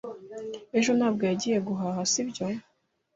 Ejo ntabwo yagiye guhaha, sibyo?